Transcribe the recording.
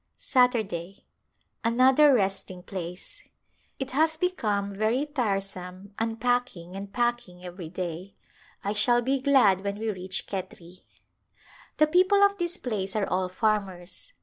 Saturday, Another resting place. It has become very tire A Glimpse of India some unpacking and packing every day. I shall be glad when we reach Khetri. The people of this place are all farmers.